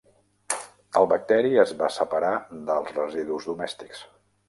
El bacteri es va separar dels residus domèstics.